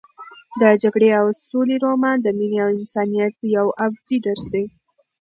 د جګړې او سولې رومان د مینې او انسانیت یو ابدي درس دی.